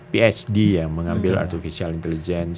phd yang mengambil artificial intelligence